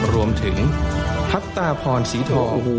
รวมถึงพักตาพรสีทอง